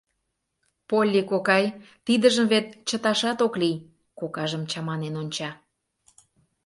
— Полли кокай, тидыжым вет чыташат ок лий! — кокажым чаманен онча.